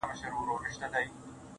• نو د وجود.